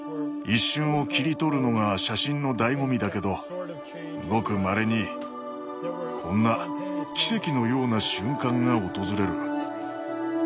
一瞬を切り取るのが写真のだいご味だけどごくまれにこんな奇跡のような瞬間が訪れる。